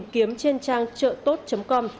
kiếm trên trang trợtốt com